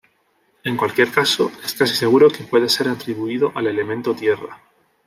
En cualquier caso, es casi seguro que puede ser atribuido al elemento Tierra.